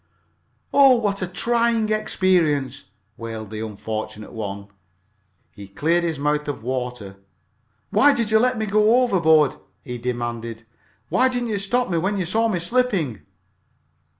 "Oh, what a trying experience!" wailed the unfortunate one. He cleared his mouth of water. "Why did you let me go overboard?" he demanded. "Why didn't you stop me when you saw me slipping?"